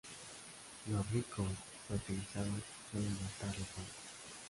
Los ricos o fertilizados suelen matar la planta.